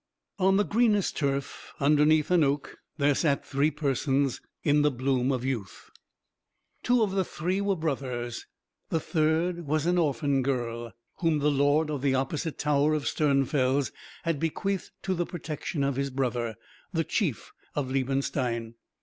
On the greenest turf, underneath an oak, there sat three persons, in the bloom of youth. Two of the three were brothers; the third was an orphan girl, whom the lord of the opposite tower of Sternfels had bequeathed to the protection of his brother, the chief of Liebenstein.